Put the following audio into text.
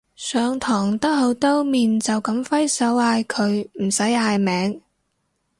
上堂兜口兜面就噉揮手嗌佢唔使嗌名